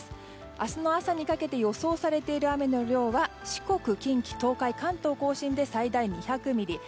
明日の朝にかけて予想されている雨の量は四国、近畿、東海、関東、甲信で最大２００ミリ。